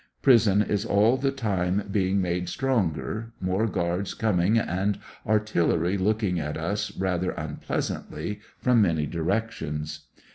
Prison is all the time being made stronger, more guards coming'; and artillery looking at us rather unpleasantly from many directions.